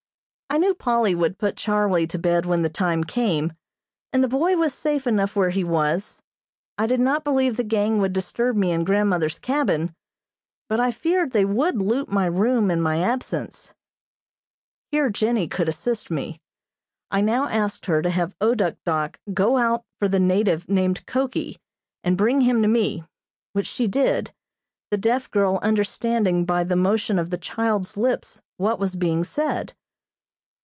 I knew Polly would put Charlie to bed when the time came, and the boy was safe enough where he was. I did not believe the gang would disturb me in grandmothers' cabin, but I feared they would loot my room in my absence. Here Jennie could assist me. I now asked her to have O Duk Dok go out for the native named Koki, and bring him to me, which she did, the deaf girl understanding by the motion of the child's lips what was being said.